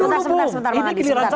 tunggu dulu bum ini pilihan saya